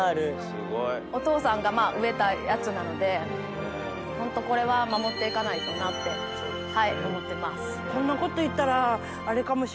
すごい。お義父さんが植えたやつなのでホントこれは守っていかないとなって思ってます。